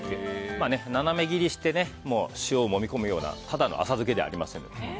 斜め切りにして塩をもみ込むようなただの浅漬けではありません。